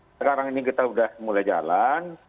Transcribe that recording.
sekarang ini kita sudah mulai jalan